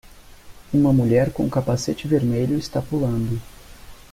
Uma mulher com um capacete vermelho está pulando.